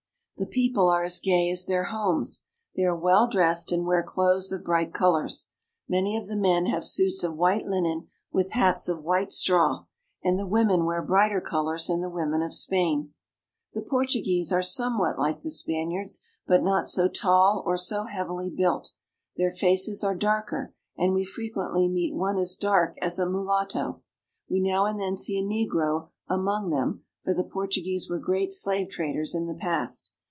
The people are as gay as their homes. They are well dressed, and wear clothes of bright colors. Many of the men have suits of white linen with hats of white straw, and the women wear brighter colors than the women of Spain. The Portuguese are somewhat like the Spaniards, but not so tall or so heavily built ; their faces are darker, and we frequently meet one as dark as a mulatto. We now and then see a negro among them, for the Portuguese were great slave traders in the past.